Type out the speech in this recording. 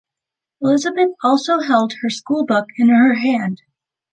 Elizabeth also held her school book in her hand.